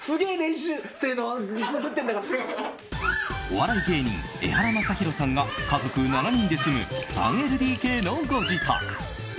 お笑い芸人エハラマサヒロさんが家族７人で住む３ＬＤＫのご自宅。